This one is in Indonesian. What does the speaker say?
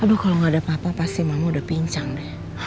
aduh kalau gak ada apa apa pasti mama udah pincang deh